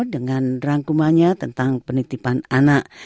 dengan rangkumannya tentang penitipan anak